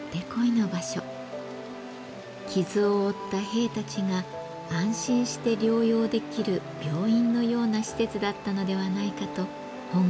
傷を負った兵たちが安心して療養できる病院のような施設だったのではないかと本郷さんは言います。